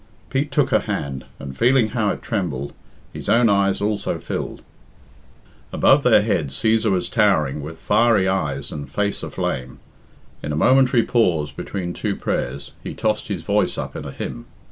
Pete took her hand, and feeling how it trembled, his own eyes also filled. Above their heads Cæsar was towering with fiery eyes and face aflame. In a momentary pause between two prayers, he tossed his voice up in a hymn.